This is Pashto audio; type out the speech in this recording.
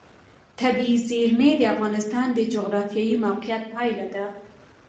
طبیعي زیرمې د افغانستان د جغرافیایي موقیعت پایله ده.